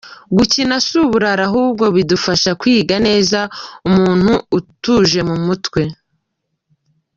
Gukina si uburara ahubwo bidufasha kwiga neza, umuntu atuje mu mutwe.